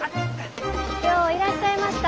よういらっしゃいました。